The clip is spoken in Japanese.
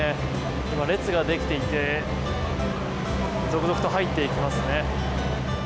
今、列ができていて続々と入っていきますね。